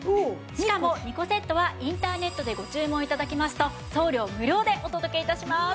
しかも２個セットはインターネットでご注文頂きますと送料無料でお届け致します。